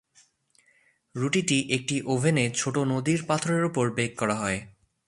রুটিটি একটি ওভেনে ছোট নদীর পাথরের উপর বেক করা হয়।